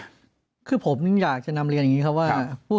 แจ้งเลยใช่ไหมคือผมยังอยากจะนำเรียนอย่างนี้เขาว่าผู้